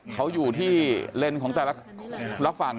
เขาอยู่ที่เลนส์ของแต่ละฝั่ง